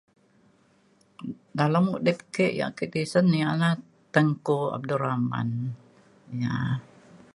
dalem udip ke yak ake tisen ia’ na Tunku Abdul Rahman ya